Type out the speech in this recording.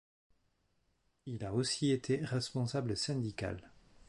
Il a aussi été responsable syndical.